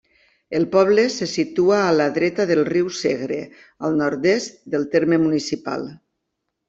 El poble se situa a la dreta del riu Segre, al nord-est del terme municipal.